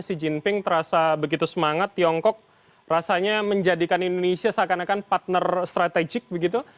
xi jinping terasa begitu semangat tiongkok rasanya menjadikan indonesia seakan akan partner strategik begitu